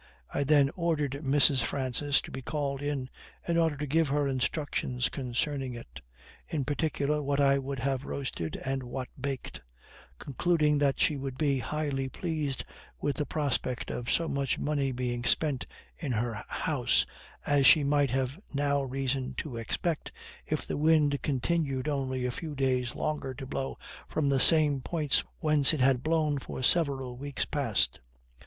I then ordered Mrs. Francis to be called in, in order to give her instructions concerning it; in particular, what I would have roasted and what baked; concluding that she would be highly pleased with the prospect of so much money being spent in her house as she might have now reason to expect, if the wind continued only a few days longer to blow from the same points whence it had blown for several weeks past.